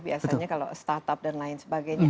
biasanya kalau startup dan lain sebagainya